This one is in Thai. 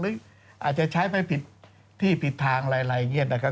หรืออาจจะใช้ไปที่ผิดทางอะไรอย่างนี้นะคะ